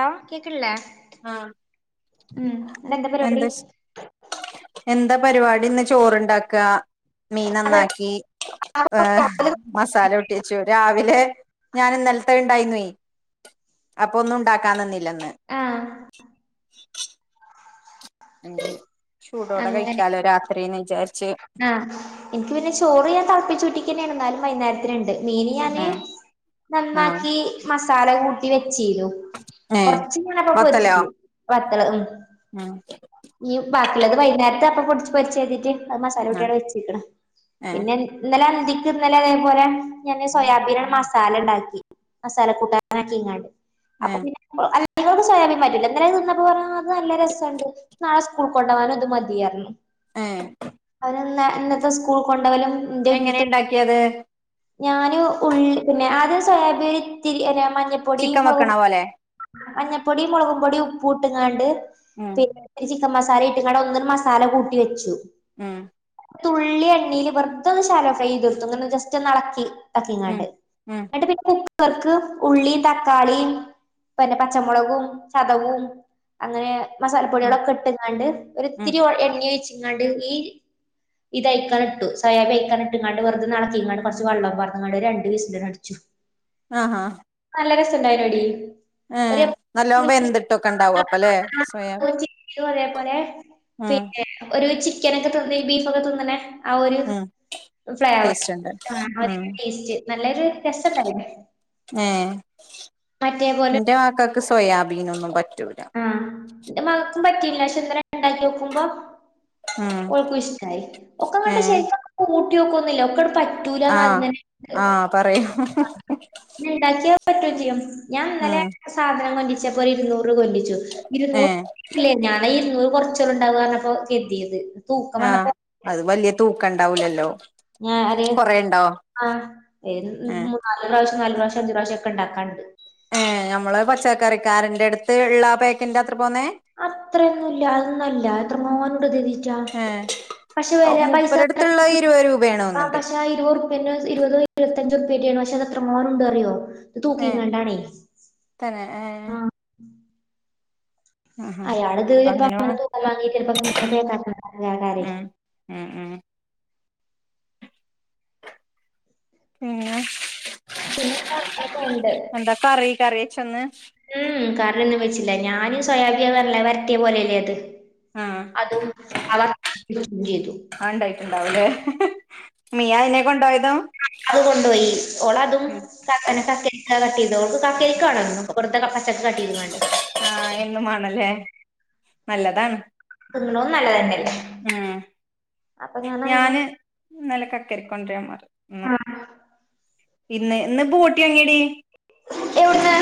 ആ കേക്കണില്ലേ ആഹ് ഉം ന്നിട്ട് എന്താ പരിപാടി എന്താ പരിപാടി ഇന്ന് ചോറ്ണ്ടാക്ക മീൻ നന്നാക്കി ഏ മസാല കൂട്ട്യച്ചു രാവിലെ ഞാൻ ഇന്നലത്തെ ഇണ്ടായിരുന്നെ അപ്പം ഒന്നും ഉണ്ടാക്കാനിന്നില്ലന്ന് ആ എന്ത് ചൂടോടെ അങ്ങനെ കഴിക്കാലോ രാത്രിന്ന് വിചാരി ആഹ് എനിക്ക് പിന്നെ ചോറ് ഞാൻ തളപ്പിച്ചുറ്റിക്ക്ന്നെ എന്നാലും വ വൈേന്നരത്തിന്ണ്ട് മീനിഞാന്ന് ഉം ഉം നന്നാക്കി മസാല കൂട്ടി ചെയ്യും ഏഹ് കൊറച്ച് ഞാന് വത്തലോ പൊരിച്ചു വത്തല് ഉം ബാക്കിള്ളത് വൈന്നേരത്തെ അപ്പൊടിച്ച് പൊരിച്ചര് തിട്ട് അത് മസാല ആഹ് കുട്ടിഅവ്ടെ വെച്ച്ക്ണ് ഏഹ് പിന്നെ ഇന്നലെ അന്തിക് ഇന്നലെ ഇതേപോലെ ഞാന് സോയാബീന് മസാലണ്ടാക്കി മസാല കൂട്ടാനക്കിക്കാണ്ട് അപ്പൊ ഏഹ് പിന്നെ സോയാബീൻ പറ്റില്ല ഇന്നല്ലേ അത് തിന്നപ്പോ പറഞ്ഞു ആ ഇത് നല്ല രസണ്ട് നാളെ സ്കൂൾക്ക് കൊണ്ടോവാൻ ഇത് മതിഅർന്നു ഏ അവര് ന്ന ഇന്നത്തെ സ്കൂൾക്ക് കൊണ്ടോവല് എങ്ങനെ ഇണ്ടാക്കിയത് ഞാന് ഉള്ളി ആദ്യം സോയാബീന് ഇത്തിരി മഞ്ഞപ്പൊടിം ചിക്കൻ വെക്കണ മുളകും പോലെ മഞ്ഞൾപ്പൊടിം മുളകും പൊടിം ഉപ്പൂട്ടാണ്ട് ഉം പിന്നെ ചിക്കൻ മസാല ഇട്ട്ക്കാണ്ട് ഒന്നും മസാല കൂട്ടി വെച്ചു ഹ് തുള്ളി എണ്ണില് വെറുതൊന്ന് ശാലോ ഫ്രൈ ചെയ്ത് ഇട്ത്തു ഇങ്ങനെ ജസ്റ്റ് ഒന്ന് അലക്കി ആക്കി ഉം ഇങ്ങാണ്ട് ഉം എന്നിട്ട് പിന്നെ കുക്കർക്ക് ഉള്ളീം തക്കാളീം പന്നെ പച്ചമുളകും ചതവും അങ്ങനെ ഉം മസാലപ്പൊടിളൊക്കെ ഇട്ട്ങ്ങാണ്ട് ഉം ഒരിത്തിരി എണ്ണിമ് ഒഴിച്ച്ങ്ങാണ്ട് ഈ ഇത് അയക്കണ്ട് ഇട്ടു സായാബിം അയ്ക്കാണ്ട് ഇട്ട്ങ്ങാണ്ട് വെർതെ അലക്കിങ്ങാണ്ട് കോർച്ച് വെള്ളം പാർന്ന്ക്കാണ്ട് രണ്ട് വിസ്ലാണ്ട് അട്ച്ചു ഹാ ഹാ [unintelligible] എടി ഹേ നല്ലോ വെന്തിട്ടൊക്കെ ഉണ്ടാവും അപ്പല്ലെ സ്വയ അതേപോലെ പിന്നെ ഒരു ചിക്കനൊക്കെ തിന്നെ ബീഫൊക്കെ തിന്ന്നെ ഹ് ഫ്ലേവർ ആ ടേസ്റ്റ് നല്ലൊരു രസണ്ടായിനി ഏ എന്റെ മക്കക്ക് സോയാബീനോന്നും പറ്റൂല ആ ഇന്റെ മകക്ക് പറ്റില്ല ഷേ ഇന്നല്ലേ ഇണ്ടാക്കോക്കുമ്പം ഉം ഓൾക്കും ഇഷ്ടായി ഏ ഒക്കെങ്ങട്ട് ശേരികോന്ന് കൂട്ടിയോകൊന്നുല്ല ആഹ് ഒക്കണ്ട് ആഹ് പറയൂ [unintelligible] പറ്റും ചെയ്യും ഞാൻ ഇന്നലെ ഉം സാധനം കൊണ്ടിച്ചപ്പോ [unintelligible] ഏ [unintelligible] ആ വന്നപ്പോ അത് വലിയ തൂക്ക [unintelligible] നാല് ഏ പ്രാവശ്യം അഞ്ച് പ്രാവശ്യൊക്കെ ഇണ്ടാക്കാണ്ട് ഏ ഞമ്മളെ പച്ചക്കറിക്കാരന്റെ അടുത്ത് ള്ളെ പേക്കെറ്റാ അത്രൊന്നുല്ല അതൊന്നുംല്ല എത്രങ്ങാനുണ്ട് ഏ [unintelligible] പക്ഷെ വരാം പൈസ മുപ്പരടുത്തുള്ള ഇരുപത് രൂപയാണ് തോന്നുന്നുണ്ട് പക്ഷെ ഇരുവർപേന്റെതും ഇരുപത് ഇര് അഞ്ചുർ പേറ്റെണ് പക്ഷെ എത്രങ്ങാനുണ്ട് റിയോ ഏ തൂക്കിങ്ങാണ്ടാണേ തന്നെ ഏ ആ ആഹാ അയാള് അപ്പൊ ഇത്പ്പോ അങ്ങനെ വാ തൂ [unintelligible] ഹ് ഹ് ഹേ പിന്നെന്താ [unintelligible] കറി കറി വെച്ചൊന്ന് ഉം കറിയൊന്നും വെച്ചില്ല ഞാനും സോയാബീൻ വരട്ടിയ പോലെയല്ലേ അത് ആഹ് അതും അവർ ചെയ്തു അത് ഉണ്ടായിട്ടുണ്ടാവൂലേ മിയ അതിനെ കൊണ്ടോയതും അഹ് കൊണ്ട് യി ഓളതും കാക്കനെ കാ കട്ട് ചെയ്തോ ഓക്ക് കക്കരിക്ക വെണോലോ ഓക്ക് പച്ചക് കട്ട് ചെയ്താണ്ട് ആ എന്നും മാണല്ലേ നല്ലതാണ് ത്ന്ന്ന തും നല്ലതന്നെല്ലേ ഉം ഞാന് ഇന്നലെ കക്കരിക്ക കോണ്ടരാൻ മർന്നു പിന്നെ ഇന്ന് ബോട്ടി വാങ്ങേടി എവിട്ന്ന്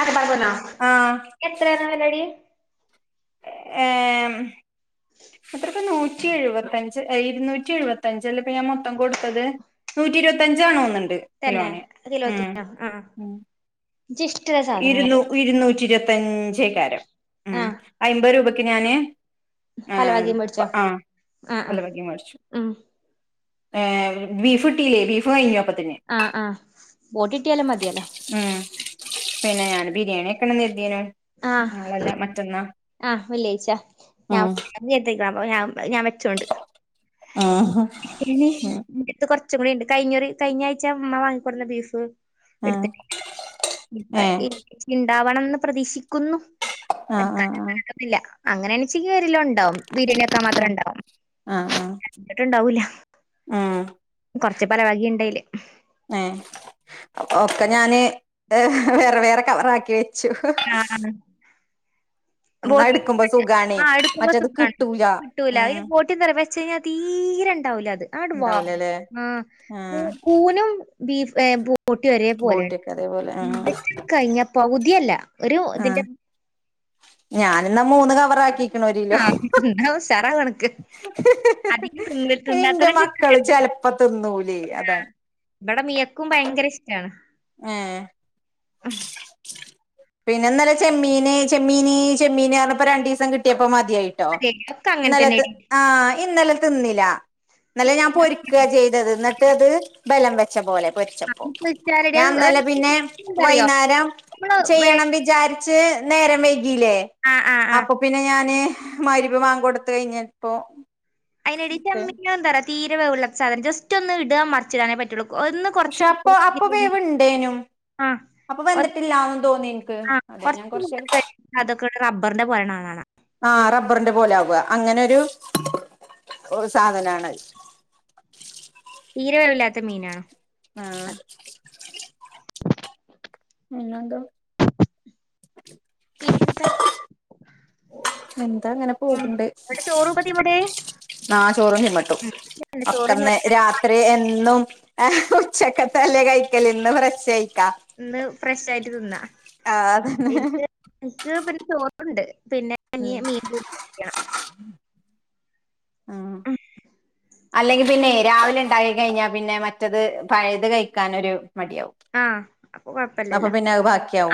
അറബാന്നാ ആഹ് എത്രയാണ് വേലയെടി ഏ അത്ര ഇപ്പോ നൂറ്റി എഴുപത്തഞ്ച് ഇരുന്നൂറ്റി എഴുപത്തയഞ്ച് അല്ലേ ഇപ്പൊ ഞാൻ മൊത്തം കൊടുത്തത് നൂറ്റി ഇരുപത്തഞ്ചാണോന്നണ്ട് തന്നെ കിലോന് കിലോത്തിനോ ആ ഉ ഇജ്ജ് ഇഷ്ടമുള്ള ഇരുന്നൂ സാധനങ്ങള് ഇരുന്നൂറ്റി ഇരുപത്തഞ്ചക്കാരം ആ ഉം അമ്പത് രൂപക്ക് ഞാന് പല വകയും മേടിച്ചോ ആഹ ആഹ ആ ആ അല വകി മറിച്ചു ഉം ഹ് ബീഫീട്ടീല്ലേ ബീഫ് കഴിഞ്ഞപ്പ ആഹ് ആഹ ബോട്ട്ട്ടിയാലും മതിയല്ലോ ഉം പിന്നെ ഞാൻ ബിരിയാണി ഒക്കെ എതിന ആഹ് ആഹ വെള്ളിയാഴ്ച ഉം ഞാൻ ഞാ ഞാൻ വെച്ചോണ്ട് ആഹ് [unintelligible] കൊച്ചും കൂടി ഉണ്ട് കഞ്ഞറി കഴിഞ്ഞ ആഴ്ച അമ്മ വാങ്ങിക്കൊടുന്ന ബീഫ് ആഹ് ഏഹ് എടുതിട്ടുണ്ടാവണംന്ന് പ്രതീക്ഷിക്കുന്നു ആഹ് ആഹ് ക്കില്ല അങ്ങനെ എ ച്ചീരെല്ലാം ഉണ്ടാവും വീര്ണിയ ഒക്കെ മാത്ര ആഹ് ആഹ് ആഹ് ഉണ്ടാവുംോട്ട ഉണ്ടാവൂല ഉം കൊറച്ച പല വകണ്ടായില്ലേ ഏ ഒക്കെ ഞാന് വേറെ വേറെ കവറാക്കി വെച്ച ച്ചു ആഹ് ബോട്ടി സുഖാണേ ആ എടുക്കുമ്പോ മറ്റേത് സൂാണ് കിട്ടൂല കിട്ടൂല ഉം ബോട്ടി തറ വെച്ച കഴിഞ്ഞാൽ തീ തീരണ്ടാവൂലേ അത് ആ വാ ഉണ്ടാവൂലല്ലേ ആ് ആഹ് കൂനും ബീഫ് ബോട്ടി ഒരേ പോലെ ബോട്ടിയൊക്കെ അതേപോലെ ആഹ് കഴിഞ്ഞ പകുതിയല്ല ഒരു ഇതിന്റെ ഞാാനിന്ന മൂന്ന് കവറ ആാക്കി ആ ചറാ കണക്ക് അധ ഇന്റെ തണ്ടാത്ത മക്കള് ചെക്കക്കെണ്ട് ചെലപ്പോ തിന്നൂലേ [inaudible] ആ അതാണ് ഇവിടെ മിയക്കും ഭയങ്കര ഇഷ്ടമാണ് ആ പിന്നെന്നാല ചെമ്മീന് ചെമ്മീന് ചെമ്മീന് പറഞ്ഞപ്പോ രണ്ടു ദിവസം കിട്ടിയപ്പ മതി ായിട്ടോ അതെ ഒക്കെ അങ്ങൻ ഇന്നല തന്നെടി ആ ഇന്നല തിന്നില്ല എന്നല്ല ഞാൻ പൊരിക്കുക ചെയ്തത് എന്നിട്ട് അത് ബലം വെച്ച പോലെ പൊരിച്ചപ്പോ വെച്ചാലടി അത് ഞാൻന്നലെ പിന്നെ എന്തറിയോ വൈകുന്നേരം നമ്മള് വേ ചെയ്യണം വിചാരിച്ച് നേരം വ ല്ലേ ആഹ് ആഹ് ആഹ് അപ്പൊ പിന്നെ ഞാന് മയിരിബ് ബാങ്ക കൊടുത്ത് കഴിഞ്ഞപ്പോൊ അതിട ചെമ്മീന എന്താ പറയ തീരെേള്ള സാധനം ജസ്റ്റ് ഒന്ന് ഇടാൻ മറിച്ചിടാനേ പറ്റയുള്ളൂ പക്ഷെ അപ്പൊ അപ്പ വേവ ഉണ്ടേനും ആ എനിക്ക് ആ അതെ ഞാൻ കൊറച്ച കൂ കൊറച്ചേരം അതൊക്കെ റബ്ബറിന്റെ പോരണാണാണ് ആറബ്ബറിൻന്റെ ല അങ്ങനെരു സാധനത് തീരവല്ലാത്ത മീനാണോ ആ എന്നത ട്ട എന്താ അങ്ങനെ പോകണ്ട് ഇവിടെ ചോറ് ഇപ്പതീമടെ ന ചോറും ചി്മട്ടും ഉം ഇല്ല, ചോറ് ഇനി ഒക്കന്ന് വൈകുന്നേരത്തെ ഭക്ഷ- രാത്രി എന്നും ആ ഉറച്ചൊക്കെ തല്ലേ കഴിക്കല ഇന്ന് ഫ്രഷ് ആയി ഇന്ന് ഫ്രഷ ആയിട്ട് തിന്ന ആ അതന്നെ എനിക്ക് എക്ക് ചോറുണ്ട് പിന്നെ ഉം അ മീണം ആ അല്ലെങ്കിൽ പിന്നെ രാവിലെ ഉണ്ടാക്ക കഴിഞ്ഞാൽ പിന്നെ മറ്റത് പഴത് കഴിക്കാൻൊ ഒരു മടിയകും ആഹ് അപ്പൊ അപ്പ കൊഴപ്പല്ലല്ലോ പിന്നെ അത്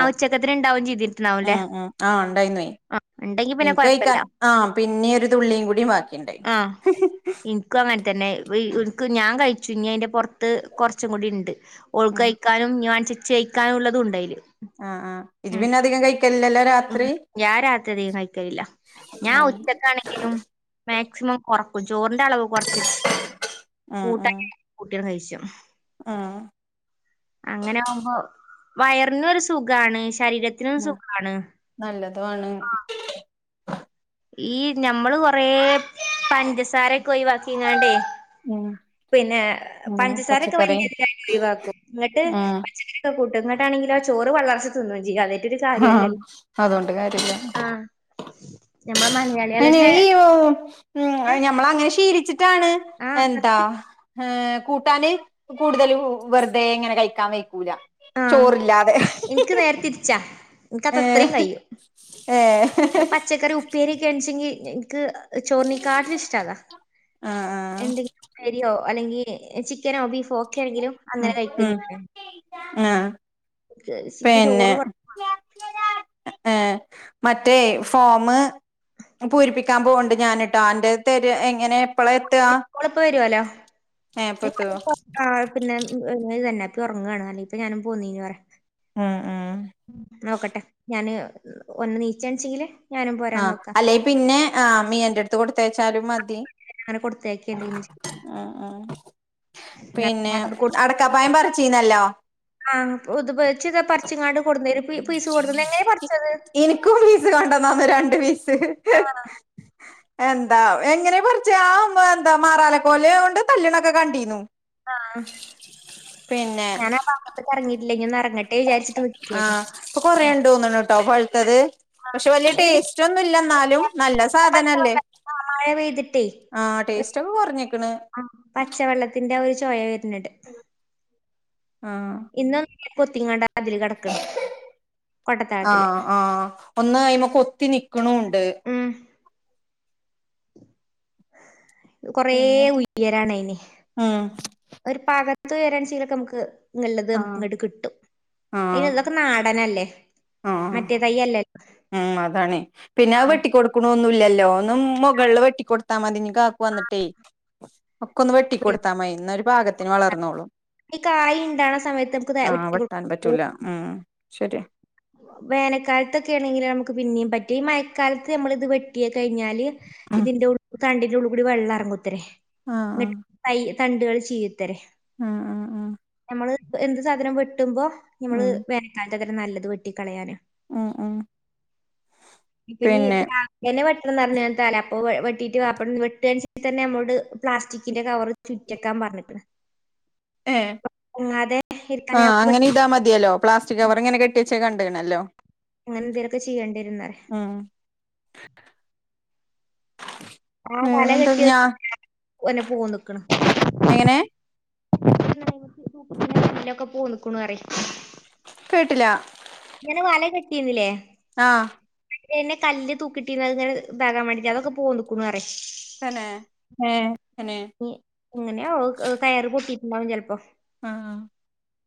ആ ഉച്ചക്കത്തിന് ഉണ്ടാവും ചെയ്തിട്ടുണ്ടാവുംല്ലേ ഉം ഉം ആഹ് ഉണ്ടായിന്ന്വൊയ്. ആഹ് ഇണ്ടെങ്കി പിന്നെ ഇൻക്ക് കൊഴപ്പല്ല കയ്ക്കാൻ ആഹ് പിന്നി ഒരു തുള്ളിം കൂടിം വാക്കിണ്ടായ്ന്നു. ആഹ് ഇൻക്കും അങ്ങനെ തന്നെ വെ ഇട്ക്ക് എനിക്ക് ഞാൻ കഴിച്ചു. ഇഞ്ഞയ്ന്റെ പൊറത്ത് കൊറച്ചും കൂടി ഇണ്ട് ഉം ഓൾക്കയ് ക്കാനും ഇഞ്ഞ് വാണ്ച്ച ഇച്ച് കയ്ക്കാനും ഇള്ളതും ഇണ്ടയില്. ആഹ് ആഹ് ഇജ് പിന്നെ അധികം കയ്ക്കല് ല്ലല്ലോ? ഉം ഞാൻ രാത്രി അധികം കഴിക്കലില്ല ഞാൻ ഉം ഉച്ചക്കാണെങ്കിലും മാക്സിമം കൊറക്കും ചോറിന്റെ അളവ് കൊറച്ചിട്ട് ഉം ഉം [unintelligible] കയ്ച്ചും ആഹ് വയറിനും ഒരു സുഖാണ് ശരീരത്തിനും ഉം സുഖാണ്. നല്ലതുമാണ് ഈ ഞമ്മള് കൊറേ പഞ്ചസാരക്കേ ഒഴിവാക്കിങ്ങാണ്ടേ ഉം പിന്നെ ഉം പഞ്ചസാരക്കെ വല്ല്യ പച്ചക്കറി ഇതിലായിട്ട് ഒഴിവാക്കും ഇങ്ങട്ട് ഉം പച്ചക്കറിയൊക്കെ കൂ ട്ടും ഇങ്ങട്ടാണെങ്കിലോ ചോറ് പള്ളർച്ച് തിന്നും [unintelligible] ഹാ കാര്യല്ലല്ലോ അതോണ്ട് കാര്യല്ലാ ആഹ് ഞമ്മളെ അയിന് മലയാളികളുടെ ഈ ഓഹ് ഉം അയിന് ഞമ്മളങ്ങനെ ശീലി റ്റാണ് ആഹ് എന്താ സത്യം ഏഹ് കൂട്ടാന് കൂടുതലു വെറുതെ ഇങ്ങനെ കഴിക്കാ വൈക്കൂലാ ആഹ് ഇന്ക്ക് നേരെ തിര്ച്ചാ ഇന്ക്കത് ഏഹ് എത്രിം കയ്യും ഏഹ് അഹ് പച്ചക്കറി ഉപ്പേരിയെക്കേൺച്ച് ഇഞ്ഞ് ഞ്ഞ് ഇന്ക്ക് അഹ് ചോറിനേക്കാട്ടിലും ഇഷ്ടതാ ആഹ് ആഹ് എന്തെങ്കി ഉപ്പേരിയോ അല്ലെങ്കി ഏഹ് ചിക്കനോ ബീഫോ ഒക്കേണെങ്കിലും അങ്ങനെ ഉം ഉം കഴിക്കുന്നി ആഹ് ഉച്ചക്ക് [unintelligible] പിന്നെ ചോറ് വാ ഏഹ് മറ്റേ ഫോമ് ഉം പൂരിപ്പിക്കാൻ പോവ്ണ്ട് ഞാന്ട്ടോ അന്റെഹ് തെരേ എങ്ങനെ എപ്പളാ എത്താ [unintelligible] ഓള്പ്പ വരോല്ലോ ഏഹ് ഇപ്പെത്തോ [unintelligible] ആഹ് പിന്നെ ഉം ഏഹ് ഏഹ് ഇതന്നെ പ്പ് ഒറങ്ങാണ് അല്ലേയിപ്പൊ ഞാനും പോന്നീനിപറ ഉം ഉം നോക്കട്ടെ ഞാന് ഒൺന്ന് നീച്ചാൺച്ചെങ്കില് ആഹ് അല്ലേയ് പിന്നെ ആഹ് മിയന്റെട്ത്ത് കൊട് ത്തേച്ചാലും മതി അങ്ങനെ കൊടുത്തേക്കെ എന്തെങ്കിലും ആഹ് ആഹ് പിന്നെ അടക്കാ പഴം പറ്ച്ചീന്നല്ലോ ആഹ് പൊതു [unintelligible] പറ്ച്ച്ങ്ങാണ്ട് കൊട്ന്നെരും ഫ്രീ ഫ്രീസ കൊടുത്തത് നങ്ങനേ പറ്ച്ചത് ഇനിക്കും പീസ് കൊണ്ടന്നന്നു രണ്ട് പീസ് ആഹ് എന്താ എങ്ങനെ പർച്ചാ ആ എന്താ മാറാലക്കോല് കൊണ്ട് തല്ലണൊക്കെ കണ്ടീന്നു ആഹ് പിന്നെ ഞാനാ ഭാഗത്ത്ക്ക് എറങ്ങിയിട്ടില്ലെയ് ഇനി ഒന്ന് എറങ്ങി ങ്ങട്ടേ വിചാരിച്ചിട്ട് നിക്കാരുന്നു ആഹ് ഇപ്പൊ പിന്നെ കൊറേണ്ട് തോന്ന്ണുട്ടോ പഴുത്തത് ആ പക്ഷെ വല്യ എന്നിട്ട് ടേസ്റ്റ് ഒന്നുല്ല ന്നാലും നല്ല സാധനല്ലേ പച്ചവെള്ളം ആ മഴ പെയ്തിട്ടേ ആഹ് ഒരു ടേസ്റ്റ് ഒക്കെ കൊറഞ്ഞ്ക്ക്ണ് പിന്നെട് ആഹ് കൊത്തിങ്ങാണ്ട് അതില് കെടക്കണ് ആഹ് ആഹ് ഒന്ന് അയ്മ്മ കൊത്തി നിക്കണൂണ്ട് ഉം കുറെ പിന്നെന്താ ഉയരാണ് അയിന് ഉം ഒരു പാകത്ത് ഉയരാൻ ച്ചീലൊക്കെ നമുക്ക് ല്ലത് നമുക്ക് ആഹ് ഇങ്ങട്ട് കിട്ടും അതിന് ആഹ് ഇതൊക്കെ നാടനല്ലേ ആഹ് മറ്റേതൈ അല്ലേല്ലോ ഉം അതാണെ പിന്നെ അഹ് വെട്ടികൊടുക്കണൊന്നുല്ലല്ലോ ഒന്ന് മൊകളില് വെട്ടിക്കൊടുത്താ മതി ഇഞ്ഞി കാ ക്കു വന്നിട്ടേയ് ഒക്കൊന്ന് പിന്നെ വെട്ടിക്കൊടുത്താ മയ് ന്നാ ഒരു പാകത്തിന് വളർന്നോളും ഈ കായ് ഉണ്ടാകുന്ന സമയത്ത് നമുക്ക് ദേ ആഹ വെട്ടി കൊടുക്കും വെട്ടാൻ പറ്റൂല ഉം ശരിയ വേനൽക്കാലത്തൊക്കെ ആണെങ്കിൽ നമുക്ക് പിന്നെയും പറ്റും ഈ മഴക്കാലത്ത് നമ്മൾ ഇത് വെട്ടിയ കഴിഞ്ഞാല് ഉം ഇതിന്റെ തണ്ടിന്റെ ഉള്ളിൽ കൂടി വെള്ളം ഇറങ്ങുത്രെ ആഹ് ആഹ് കണ്ടുകൾ ചെയ്യത്തരെ ആഹ് ആഹ് ആ നമ്മള് എന്ത് സാധനം വെട്ടുമ്പോ നമ്മള് ഉം വേനക്കാല അത്ര നല്ലത് വെട്ടിക്കളയാനും ഉം ഉം ഇപ്പ നീ പിന്നെ അപ്പോ വെട്ടിട്ട് വാ അപ്പോ വെട്ടിയതിന് ശേഷം തന്നെ നമ്മോട് പ്ളാസ്റ്റിക്കിന്റെ കവർ ചുറ്റയക്കാൻ പറഞ്ഞിട്ട് ഏ ആ ഞാൻ വെ- അങ്ങനെ ഇതാ മതിയല്ലോ പ്ലാസ്റ്റിക് കവർ ഇങ്ങനെ കെട്ടി പ കണ്ടണല്ലോ അങ്ങനെന്തേലൊക്കെ ചെയ്യേണ്ടിരുന്നല്ലേ ഉം ആഹ കല വേറെന്താ കെട്ടിയ ഞാ എന്നന്നെ പോവൻ നിക്കണ് എങ്ങനെ [unintelligible] കേട്ട്ലാ ഇങ്ങനെ വല കെട്ടീന്നിലേ ആഹ് എന്നെ കല്ല് തൂക്കിട്ടീന്നു അത്ങ്ങനെ താകാവേണ്ടിട്ട് അതൊക്കെ പോന്ന്ക്ക്ണു അറ്യാ തന്നെ ഏഹ് തന്നെ എ എങ്ങനെ ആവോ കയറ് പൊട്ടി ണ്ടാവും ചെലപ്പോ ആ ആ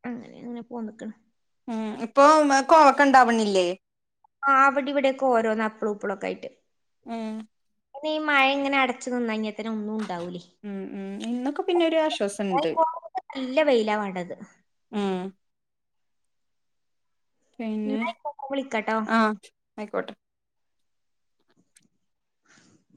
അങ്ങനെങ്ങനെ പോന്ന്ക്ക്ണ് ഉം ഇപ്പൊ കോവക്കണ്ടാവണില്ലേ ആ അവിടെവിടൊക്കെ ഓരോന്ന് അപ്പളു ഇപ്പളൊക്കായിട്ട് ഉം ഇന്നീ മഴങ്ങനെ അടച്ചു നിന്നായിഞ്ഞാ ത്തിന് ഒന്നുണ്ടാവൂലേ ഉം ഉം ഇന്നൊക്കെ പിന്നെ ഒരു ആശ്വാസണ്ട് ഇല്ല വെയിലാ വാണ്ടത് ഉം പിന്നെ എന്നാ ആയിക്കോട്ടെ വിളിക്കാട്ടോ ആ അയ്ക്കോട്ടെ